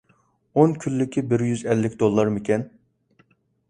ئون كۈنلۈكى بىر يۈز ئەللىك دوللارمىكەن؟